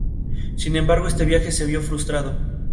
Sin embargo, este viaje se vio frustrado.